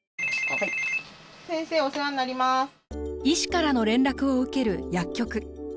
医師からの連絡を受ける薬局。